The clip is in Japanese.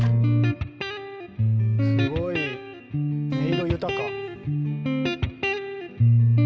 すごい音色豊か。